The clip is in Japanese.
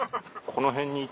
この辺に。